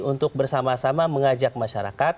untuk bersama sama mengajak masyarakat